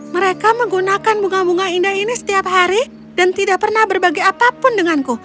mereka menggunakan bunga bunga indah ini setiap hari dan tidak pernah berbagi apapun denganku